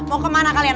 mau kemana kalian